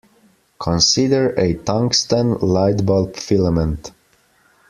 Consider a tungsten light-bulb filament.